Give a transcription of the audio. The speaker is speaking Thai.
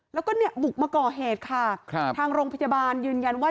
แล้วก็เนี่ยบุกมาก่อเหตุค่ะครับทางโรงพยาบาลยืนยันว่า